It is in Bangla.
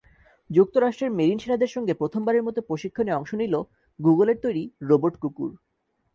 যুক্তরাষ্ট্রের মেরিন সেনাদের সঙ্গে প্রথমবারের মতো প্রশিক্ষণে অংশ নিল গুগলের তৈরি রোবট কুকুর।